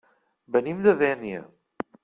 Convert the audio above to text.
Venim de Dénia.